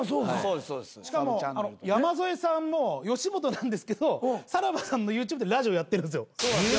しかも山添さんも吉本なんですけどさらばさんのＹｏｕＴｕｂｅでラジオやってるんですよ。